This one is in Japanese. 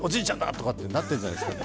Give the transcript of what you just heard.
とかなってるんじゃないですか